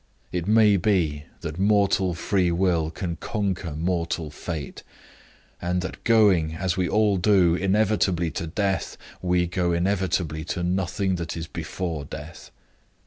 It may be that mortal free will can conquer mortal fate; and that going, as we all do, inevitably to death, we go inevitably to nothing that is before death.